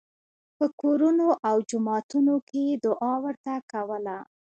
په کورونو او جوماتونو کې یې دعا ورته کوله.